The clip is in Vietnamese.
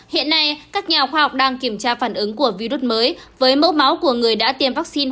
hiện nay các nhà khoa học đang kiểm tra phản ứng của virus mới với mẫu máu của người đã tiêm vaccine